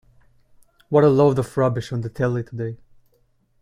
What a load of rubbish on the telly today.